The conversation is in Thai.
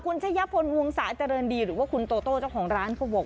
คุณเจ้ายพนธ์วงษาจรดีหรือว่าคุณโต้โต้เขาบอก